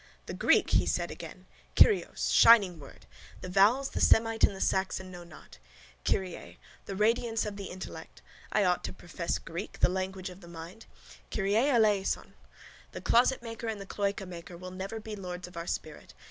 —The Greek! he said again. Kyrios! Shining word! The vowels the Semite and the Saxon know not. Kyrie! The radiance of the intellect. I ought to profess Greek, the language of the mind. Kyrie eleison! The closetmaker and the cloacamaker will never be lords of our spirit.